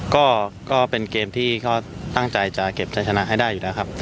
ก็เป็นเกมที่เขาตั้งใจจะเก็บใช้ชนะให้ได้อยู่แล้วครับ